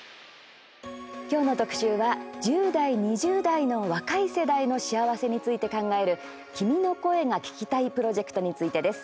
今日の特集は１０代、２０代の若い世代の幸せについて考える「君の声が聴きたい」プロジェクトについてです。